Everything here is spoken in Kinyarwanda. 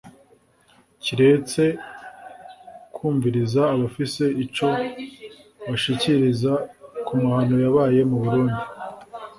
Kiretse kwumviriza abafise ico bashikiriza ku mahano yabaye mu Burundi